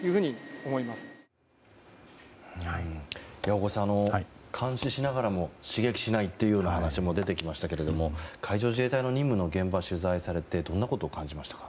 大越さん、監視しながらも刺激しないという話も出てきましたが海上自衛隊の任務の現場取材されてどんなことを感じましたか？